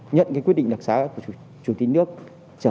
nhận quyết định đặc sá của chủ tịch nước trở về nơi cưu trú